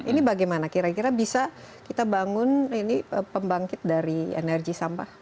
ini bagaimana kira kira bisa kita bangun ini pembangkit dari energi sampah